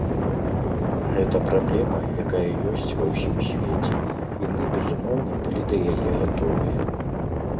Гэта праблема, якая ёсць ва ўсім свеце, і мы безумоўна былі да яе гатовыя.